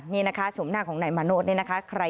นี่นะคะชมหน้าของนายมาโนธนี่นะคะ